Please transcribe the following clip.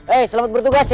eh selamat bertugas ya